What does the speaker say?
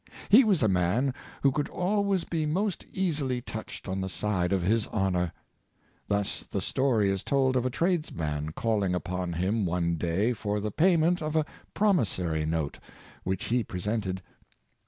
He was a man who could always be most easily touched on the side of his honor. Thus the story is told of a tradesman calling upon him one day for the payment of a promissory note which he presented.